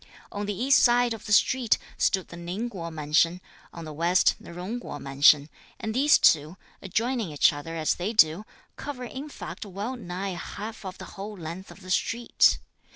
On the east side of the street, stood the Ning Kuo mansion; on the west the Jung Kuo mansion; and these two, adjoining each other as they do, cover in fact well nigh half of the whole length of the street.